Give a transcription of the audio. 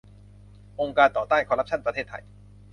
องค์การต่อต้านคอร์รัปชั่นประเทศไทย